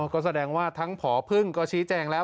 ก็แสดงว่าทั้งผอพึ่งก็ชี้แจงแล้ว